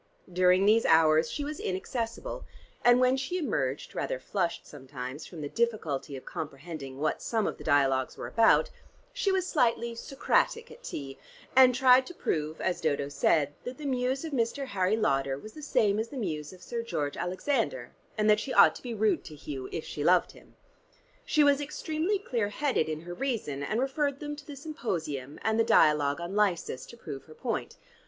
During these hours she was inaccessible, and when she emerged rather flushed sometimes from the difficulty of comprehending what some of the dialogues were about, she was slightly Socratic at tea, and tried to prove, as Dodo said, that the muse of Mr. Harry Lauder was the same as the muse of Sir George Alexander, and that she ought to be rude to Hugh if she loved him. She was extremely clear headed in her reason, and referred them to the Symposium and the dialogue on Lysis, to prove her point.